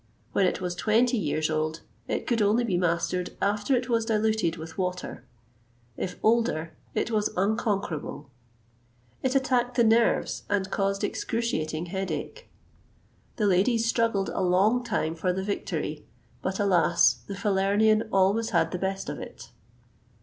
When it was twenty years old, it could only be mastered after it was diluted with water. If older, it was unconquerable; it attacked the nerves, and caused excruciating headache.[XXVIII 150] The ladies struggled a long time for the victory; but, alas! the Falernian always had the best of it.